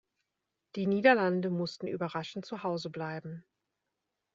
Die Niederlande mussten überraschend zu Haus bleiben.